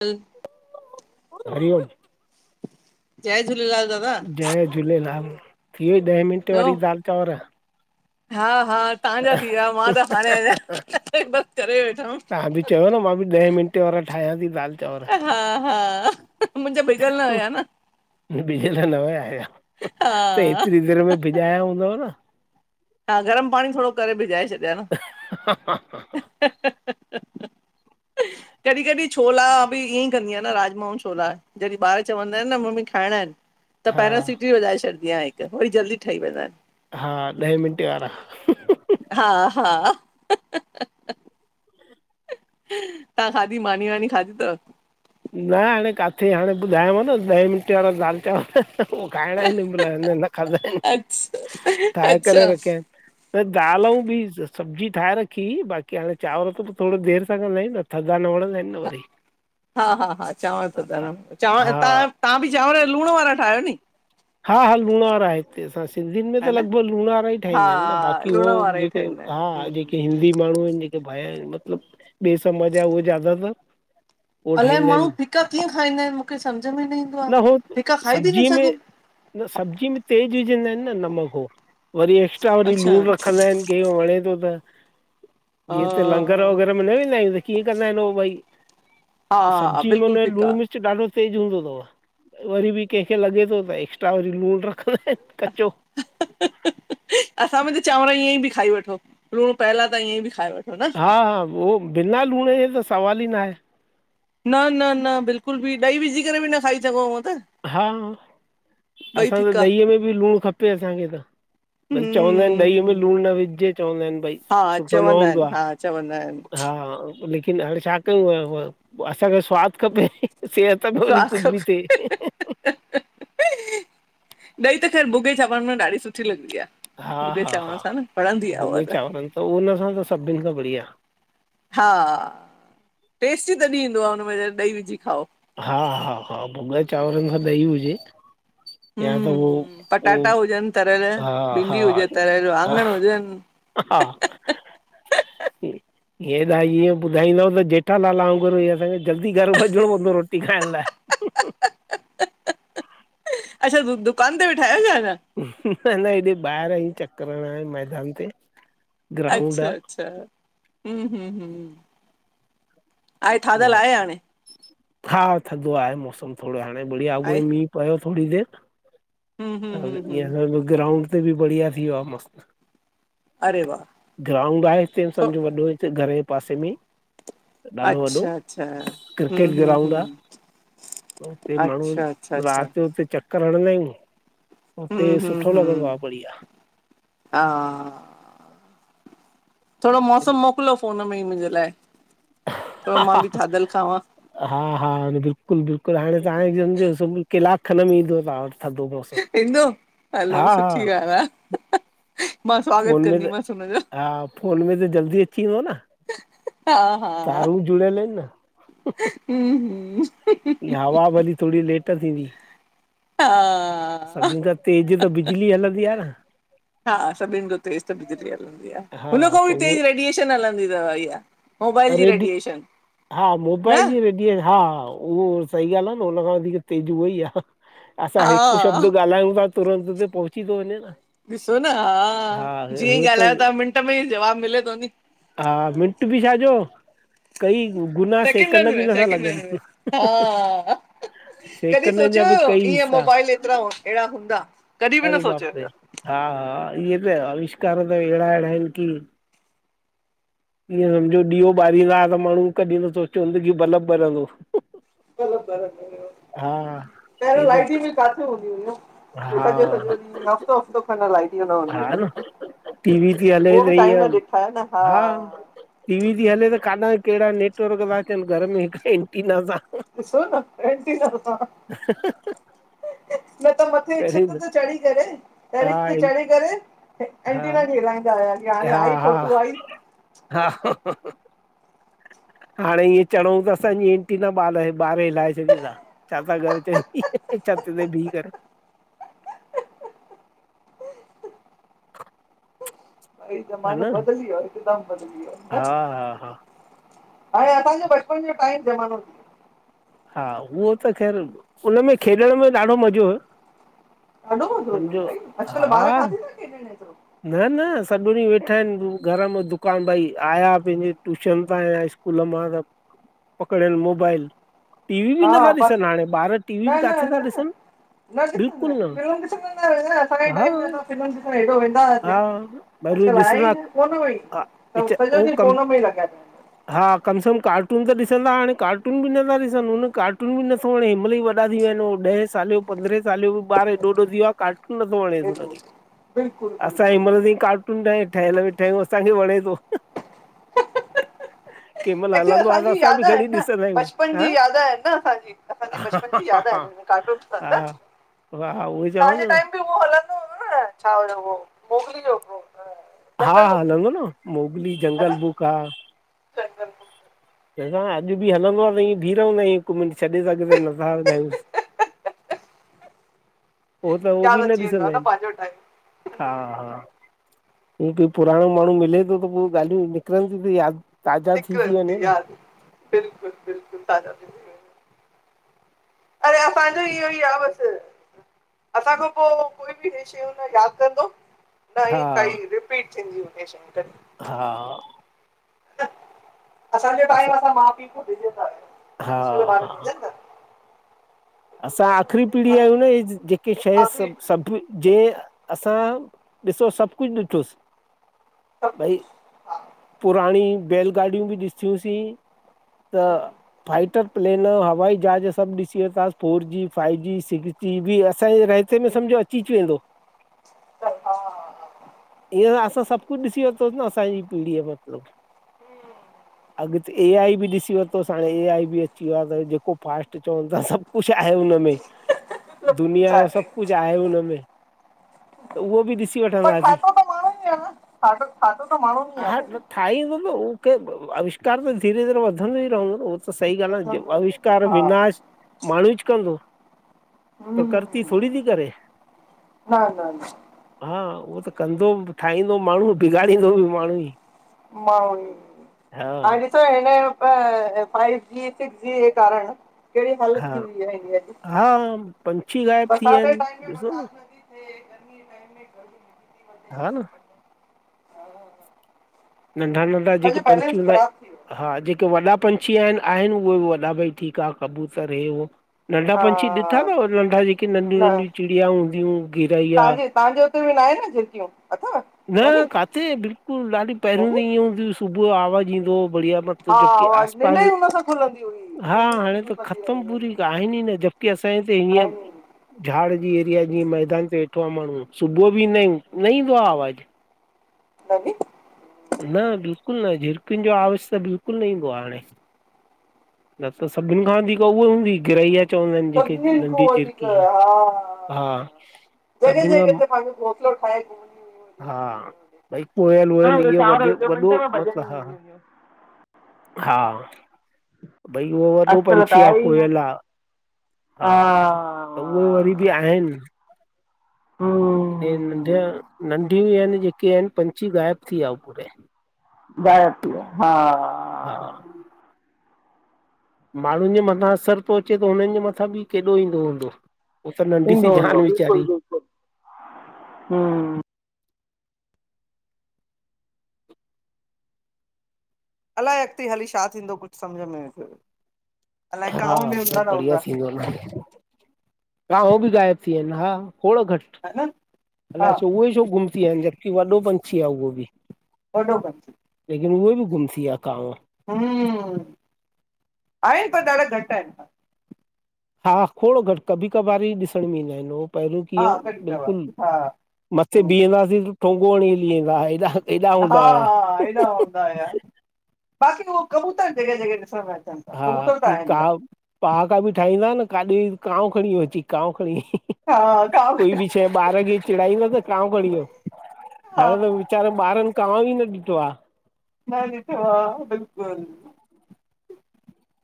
ठ। हरि ओम्। जय झूलेलाल दादा। जय झूलेलाल, थी वई ॾहें मिंट ॿियो वारी दाल चांवर? हा हा तांजा थी विया मां त हाणे हञां बस करे वेठम्। तव्हां बि चयो न मां बि ॾह मिंटे वारा ठाहियां थी दाल। चांवर हा हा मुंजा बिगल न हुया न। बिजल न विया आहिंया हा। त हेतरी देर में बिॼाया हूंदव न। हा गरम पाणी थोरो करे भिॼाए छॾियां न। हा हा। कॾहिं कॾहिं छोला बि ईअं ई कंदी आहिया न राजमाऊं छोला। जॾहिं ॿार चवंदा आहिन् न मम्मी खाइणा आहिन्। त हा पैरासिटी वजाए छॾी आहियां हिक वरी जल्दी ठही वञ आहिन्। हा ॾहें मिंटे वारा। हा हा। तां खाधी मानी वानी खाधी थव? न हाणे काथे हाणे ॿुधायांव न ॾहें मिंटे वारा दाल चांवर। उ खाइणा आहिन्, मल न खादा आहिन्, अच्छा ठाहे करे अच्छा रखियान। त दाल ऊ बि सब्जी ठाहे रखी, बाक़ी हाणे चांवर त थोड़ी देर सां कंदा आहियूं न। थदा न वॾदां आहिन् न वरी। हा हा हा चांवर सध न चांवर हा तां बि चांवर लूण वारा ठाहियो नी। हा हा लूणावरा हिते असां सिंधियुनि में हा त न लॻभॻ लूण वारा ई हा ठाहींदा आहिन न, बाक़ी लूण उह वारा ई जेक। ठहींदा आहिनि हा जेके हम्म हिंदी माण्हू आहिन् जेके बायर् आहिन मतलब ॿिए समाज ज उहे ज्यादा त। अलाए माण्हू फिका कीअं खाईंदा आहिन मूखे सम्झ में न ईदो आ, फिका खाई बि न सब्जीअ सघूं। में न सब्जी में तेज विझंदा आहिन न नमक हो, वरी एक्स्ट्रा वरी अच्छा लूणु रखंदा आहिन। ॻे वणे थो त हा जीअं त लंगर वग़ैरह में न वेंदा आहियूं त कीअं कंदा आहिन उ भई। हा हा सब्जी में बिल्कुलु हुनए फिका लूण मिर। ॾाढो तेज हूंदो थव वरी बि केंखे लॻे थो त एक्स्ट्रा वरी लूण रखंदा आहिन। कच्चो। असां में त चांवर ईअंई बि खाई वठो लूण पयल आ त ईअं बि खाई वठो। न हा हा उहो बिना लूण जे त सवाल ई न आहे। न न न बिल्कुल बि ॾही विझी करे बि न खाई सघो हू त। हा ॿई असां त फिका ॾहीअ में बि लूण खपे असांखे त। भई चवंदा आहिन ॾहीअ में हम्म लूण न विझजे चवंदा आहिन भई सुठो न हूंदो आ। अचा बंदा आहिन। उंधा। लेकिन हाणे छा कयूंआ। असांखे स्वाद खपे सेहत भली स्वाद कुछ बि थिए। खपे [inaudible] ॾही त ख़ैरु भुॻे चांवर में ॾाढी सुठी लॻंदी आ, हा भुॻे हा चांवर हा सां न, वणंदी आहे उहा भुॻे त। चांवरनि त उन सां त सभिन खां बढ़िया। हा टेस्ट तॾहिं ईंदो आ हुन में ॾही विझी खाओ। हा हा हा भुगां चांवरन मा त ॾही हुजे। या त हम्म उह पटाटा हुजनि तरियल उह हा हा भिंडी हुजे तरियल हा। वाङण हुजनि हा। हेअ त इअं ॿुधाईंदव त जेठालाल वांगुरु असांखे जल्दी घरु भजणो पवंदो रोटी खाइण लाइ। अच्छा त दुकान ते वेठा आयो छा अञा? न न हेॾे ॿाहिर आ चकर न मैदान ते। ग्राउंड अच्छा अच्छा हं हं हं। आाए थां धल आहे आए हाणे। हा थदो आहे मौसम थोरो हाणे बढ़िया आहे आगुणे मींहु पयो थोरी देर। हम्म हम्म हम्म हम्म ईअ ग्राउंड ते बि बढ़िया थी वयो आहे मस्त। अरे वाह। ग्राउंड आहे हिते थो सम्झो वॾो हिे घर जे पास में ॾाढो वट। वढो अच्छा अच्छा हम्म क्रिकेट हम्म ग्राउंड आ। हम्म ते माण्हू अच्छा अच्छा अच्छा रात जो ते चक। करणंदा आहियूं हुते हम्म हम्म सुठो लॻंदो हम्म आ बढ़िया। हा। थोरो मौसम मोकल्यो फ़ोन में ई मूंजे लाइ। थोरो हा मां हा बि थाधल खावां हा हा बिल्कुल बिल्कुल हाणे तां सम्झोब कलाक खन में ईंदो तां वट थदो मौसम। ईंदो हलो हा हा सुठी ॻाल्ह आ, मां स्वागत फोन में त कंदीमस् हुनजो। हा फोन में त जल्दी अची वयो न। हा। हा तारूं जुड़ेल हीन न। हं हं। ईयां हवा भली थोडी लेट थींदी। हा। सभिन खां तेज़ त बिजली हलंदी आ न। हा सभिन खां तेज़ त बिजली हलंदी आ हा हुन खां त बि उहो तेज रेडिएशन हलंदी थव इहा। मोबाइल जी रेडी रेडिएशन हा न मोबाइल जी रेडीय हा। उहो सही ॻाल्ह आ। न उन खां वधीक तेज उहा ई आहे असां हा हिक शब्द ॻाल्हायूं था। तुरंत ते पहुची थो वञे न। ॾिसो न हा हा जीअं हू ई त ॻाल्हायो था मिंट में ई जवाब मिले थो नी। हा मिंट बि छाजो। कई गुना सेकंड सेकेंडनि बि में नथा लॻन्। सेकेंडनि में हा कॾहिं सोचियो थियां मोबाइल एतरा एड़ा हूंदा कॾहिं बि न अरे बाप रे सोचियो। हा हा इहे त अविष्कार त अहिड़ा अहिड़ा आहिन की। ईअं सम्झो ॾीओ ॿारींदा त माण्हू कॾहिं न सोचियो की बल्ब बल्ब जो। बल्ब बल्ब होयो हे पेहंरो त लाइटियूं बि काथे हूंदी हुई न? हा सॼो-सॼो ॾींह हफ्तो-हफ्तो खन लाइटयु न हूंदी हुईउ। टी वी थी हले तईम ॾिठा आहिनि हा टीवी थी हले त काथां कैड़ा नेटवर्क था अचन घर में हिक एंटीना सां। ॾिसो न एंटीना हां न त म मथे पहिरीं छित ते चढ़ी करे हा टेरीस ते चढ़ी करे। हा एंटीना खे हिलाईंदा होयासी हाणे हा आई हा फोटू आई। हा हाणे इअं चढ़ु त असांजी एंंटीना ॿार-ॿार हिलाए छॾींदा। छा ता कयो चई छत ते भी करे? भई हा जमानो न बदलियो हिकदम बदलीयो न? हा हा हा हाणे असांॼे बचपन ॼो टाइम ज़मानों। हा उहो त ख़ैर उन में खेॾण में ॾाढो मज़ो ॾाढो मज़ो हुयो सम्झो भाई अॼकल ॿार काथे था खेॾण एयरो। न-न सॼो ॾीं वेठा आयन घर में दुकान भई आया पैंजे ट्यूशन तां ऐं स कूल मां त पकड़ेन मोबाइल। टीवी ॿि हा नथा ॾिसन बसि हाणे ॿार टीवी ॿि न न काथे था न ॾिसन। न ॾिसंदां आयन फिल्म ॾिसंदां न आयन असांजे हा टाईम ते असां फिल्म ॾिसन एॾो वें वेंदा हा हुयासि पहिरियों अॼकल आई ॾिसंदा न फोन में ई हा, त सॼो पिच हो ॾींह कम फोन में ई लॻा पया आयन। हा कम से कम कार्टून त ॾिसंदा हाणे कार्टून ॿि नथा ॾिसन हुन कार्टून ॿि नथा हणे हिमहिल ई वॾा थी विया अन ॾह साल पंदहे साले ॼो ॿार एॾो वॾो थीयो आ। कार्टून नथो वणेस हेॾो हुनखे बिल्कुलु असांॼी उमर में बिल्कुलु कार ठहियल मेठायूं असांखे वणे थो। कंहिंमहिल अक्चूली हलंदो आहे त असांजी असां याद बि खणी आयन न ॾिसंदा आहियूं बचपन हा ॼी याद आयन न असांॼी, असांॼी बचपन ॼी यादि हा आयनं। कार्टून हा-हा उहई चऊ। अ टाइम ॿि उह हलंदो न छा उहो मोगिल वियो। हा-हा हलंदो न मोगली जंगल बुक आ। ब बिलक असा अॼ ॿि हलंदो आ त बीह रहंदा आयूं हिक मिंट छॾे सघ तक नज़ार हंद आयूं। उह त उहो ॿि यादि न अची वेंदो आहे ॾिसंदा आयन पंहिंजो टाइम हा-हा। हं कोई पुराणो माणू मिले थो त पो ॻालियूं निकिरन थियूं त याद ताज़ा थी थी वञे न‌। बिल्कुल-बिल्कुल ताज़ा द अड़े असांजो इयो ई आ बस। असांखा पो कोई ॿि इ शयु हुन न याद कंदो। न हा ई कई रिपीट थींदीउ शयूं गॾ। हा असांजो टाइम असां माउ पीउ को डिजंदा हा हुयासी अॼकल ॿार हा ॾिजन न। असां आख़िरी पीढ़ी आयूं न इ जेके शइ सॿ आख़िरी सॿ। जे असां ॾिसो सॿ कुछ ॾिठोसि। हा भई पुराणी बैलगाॾियूं ॿि ॾठियूंसीं। त फाइटर प्लेन, हवाई जहाज सॿ ॾिसी वारतासी। Four G, five G, six G ॿि असांजे रयते में सम्झो अची वेंदो। दफा हिंयर असां सब कुछ डिसी वरतो न असांजी पीढ़ीअ मतलब। अॻते ए आई ॿि ॾिसी वर ॾिसो हाणे ए आई बि अची वियो आ त जेको फास्ट चवनि था सभु कुझु आहे उन मं में, कुझु दुनिया जो आहे सब कुछु आहे हुनमें। त उहो बि ॾिसी पर वठंदा सीं। ठातो त माण्हू ई आहे न ठातो ठातो त माण्हू ई आहे भई ठाई उअव न उह के, अविष्कार त धीरे- धीरे वधंदो ई रहंदो न। सही ॻाल्हि आ न वधंदो ई वेंदो अविष्कार, हा विनाश माण्हूच कंदो हम्म प्रृकर्ति थोङी थी करेे। न न न हा उहो त कंदो, ठाहींदो माण्हू बिगाड़ींदो बि माण्हू ई। माने हा [unintelligible] फाइव जीअ जे कारण केङि हालत हा थी वई आ इंडिया जी। हा पंछी गायब थी विया आहिन ॾिसो न। की टाइट [inaudible] हा न नंढा नंढा जेके सॼो पंछी बैलेंस हूंदा ख़राब थी वियो आइन हा जेके वॾा पंछी आहिन, उहे बि वॾा ठीकु आहिन कबूतर हे उहो नंढा आहे पंछी ॾिठा थव, हा नंढा जेके नंढियूं न नंढियी चिड़िया हूंदियूं हुंयूं गिरैया तव्हांजे तव्हांजे हुते बि न आहे न झिरकियूं अथव न नी? काथे बिल्कुलु ॾाढी पहिरियों त ईअं हूंद्यूं, सुबुह जो आवाज़ ईंदो हो बढ़िया। मतु हा जबकि उहा निंड ई आसपास, हुन सां खुलंदी हुई हा छूं छूं छूं हाणे छूं त कंदी ख़तम रहंदी पूरी हुयूं आहिन ई न। की असांजे हिते हीअं आहिनि झाड़ जी एरिया, जीअं मैदान ते वेठो आ माण्हू सुबुह बि ईंदा आहिन, न ईंदो आ आवाज़ु। दी [inaudible] न बिल्कुलु न, झिरकियुनि जो आवाज़ त बिल्कुलु न ईंदो आ हाणे। न त सभिनि खां वधीक उहा हूंदी हुई, गिरैइपा। सभिन खां वधीक, हा हा जॻह- सभिनि जॻह खां ते पंहिंज ठाए [inaudible] हा भई कोयल वोयल हाणे त इहो वॾ चांवर विझो मिंट वॾो में भॼंदी हा, हा। हुयूं हा भई उह वॾो अॼुकल्ह पंछी त आ आहे ई न कोयल आ, हा। त उहे वरी बि आहिन। हम्म लेकिन हे नंढिय, नंढियूं आहिन जेके आहिन पंछी ग़ायब थी विया हू पूरे। गायब थी विया, हा। हा माण्हुनि जे मथां असरु थो अचे त हुननि जे मथां बि केॾो ईंदो हूंदो। उह त नंढी सी थींदो हूंदो जान बिल्कुलु वीचारी। हम्म अलाए अॻते हली छा थींदो कुछु सम्झ में नथो अ हा सब बढ़िया थींदो। [inaudible] हा उहो बि ग़ाइब थी विया आहिन, हा, थोङो घटि ह न हा अलाए छो उहे छो गुम थी विया आहिन? वॾो पंछी आ उहो बि। [inaudible] डो ब लेकिन उहे बि गुम थी विया कांव। हम्म आहे पर ॾाढा घट आहिन। हा! खोॾ घट, कभी कभार ही ॾिसण में ईंदा आहिन उहो। पहिरियूं कीअं हा हुओ, कॾहिं कबार बिल्कुलु हा मथे बीहंदासीं त ठोंगो हणी हली वेंदा आ हेॾा। हा-हा एॾा हूंदा हुया, बाक़ी उहो कबूतर जगह-जगह ॾिसण में अचन। हा! की कॉंव पहाका बि ठाहींदा आ न काॾे वई काॅंव खणी वयो अची काॅंव खणी ह्ह ह् ह्। हा गांव कोई बि शय ॿार खे चेड़ाई दो त कॉंव खॾी वयो। हा हाणे त वेचारन बारन कॉंव ही न ॾिठो आ। न ॾीठो आ बिल्कुल।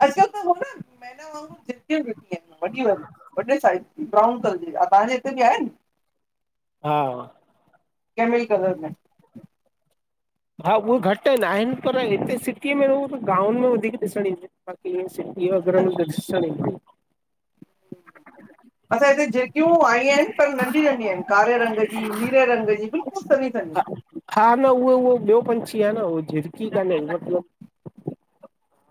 असक हो न् मैना वाग़ूर झिरकियू हुयूं। वॾी वारीयू, वॾे साइज जी, ब्राउन कलर जी हा तहांजे हिते बि आहेन। हां! केमें ई कलर में। हा! उओ घट न आहेन पर इते सीटीअ में उउह गाॅंवन में वधिक ॾिसण ईंदी बाक़ी इय सिट् इह अगर मूखे ॾिसण ईंदी असां ऐ हिते जेकियूं आई आयेन, पर नंढी-नंढि आहेन! कारे रंग जी, नीरे रंग जी बिल्कुल सन्नी-सन्नी हा हा न, उओ-उओ ॿयो पंछी आ न उहो झिरकी काने मतलब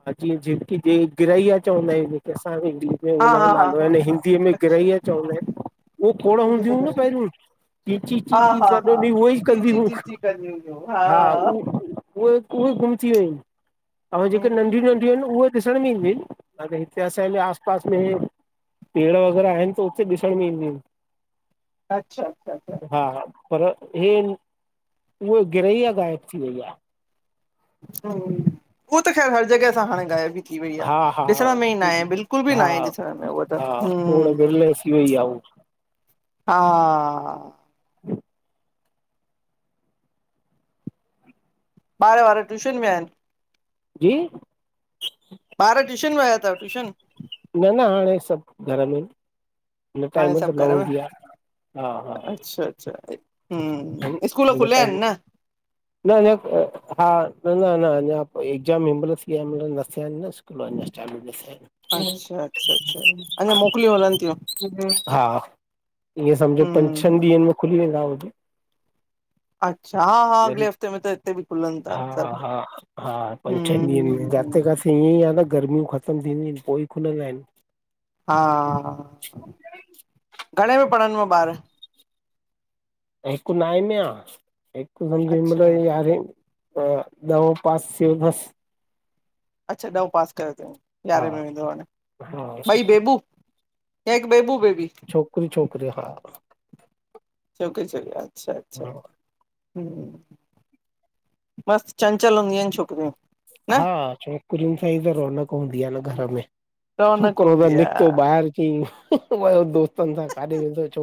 हां जीअं झिरकी जे ग़िरैया चवंदा आहयूं, जेके असांं खे ईंदी। ब्यो हा हा हुनयो हा नालो हा हन हा हिंदीअ में अच्छा ग़िरैया चवंदा आहेन, उओ खोड़ हूंदियूं हून पहरियूं। इअ हा चीं-चीं-चीं हा सॼो हा ॾींह उहो ई कंदी चीची हुं! चीची कंदियूं हुयूं हा उह। उहे-उहे गुम थी वयूं अन, अउ हम्म, जेके हम्म, नंढि-नंढियूं आहिन न उहे ॾिसण में ईंदीयूंन, हन हिते असां ऐ मे आस पास में पेड़ वग़ैरह आहेन त उते ॾिसण में ईंदियू इन। अच्छा अच्छा अच्छा हां पर हे इन, उह गिरैया ग़ायब थी वईया। हूम उह त ख़ैर हर जगह सां हाणे गायब ई थी वई आह, हा हा ॾिसण में ई न आहे बिल्कुल बि न हा आहे ॾिसण में उअ त हा थोरो हूम्। विरले थी वई आहे उहा हाआ! बार-वार ट्यूशन वया आयेन। जीइ! बार ट्यूशन वया तव ट्यूशन। न-न हाणे सब घर में आऐ न। हिन हाणे टाइम त न हूंदी आ, हा! छ- छा आहे। अई हिंन टाईम न-न अ हा न-न-न अञां एग्ज़ाम हिमल्ल थी आ हिमल्ल न थ्या आए न स् कूल अञां चालू न थ्या आयेंन। अच्छा-अच्छा-अच्छा अञां मोकलियूं हलन तयूं। हा! ईंअ समझो हम्म पंज-छह हम्म ॾीहन में खुली वेंदा होॾे। अच्छा हा हा अॻिले हफ़्ते में त हिते बि खुलनि था सभु हा-हा-हां हम्म पंज-छन ॾीहं में हम्म जाते हम्म काते हियई आ न गर्मियूं ख़तम थींदियूं इन पो ई खुलंदा आऐन। हा! घणे में पढ़नव ॿार? हिक नाए में आ, हिक सम्झ हिम्मल अच्छा यारहे अ ॾहो पास से बस। अच्छा ॾहों पास कयो तइ हा यारहें में वेंदो हाणे। हा ॿई बेबू? एक बेबू, बेबी। छोकरी, छोकरो हां। छोकरी, छोकरो! अच्छा-अच्छा। हा हूंअ, मस्त चंचल हूंदयू अन छोकरीयूं। हां! छोकरीयून सां ही त रौनक हूंदी आ न घर में। रौनक छोकरो त हूंदी निकतो आ ॿाहिर थी वयो दोस्तन सां काॾे वेंदो छो।